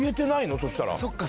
そしたら！